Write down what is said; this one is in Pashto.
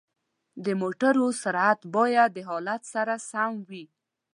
د موټرو سرعت باید د حالت سره سم وي.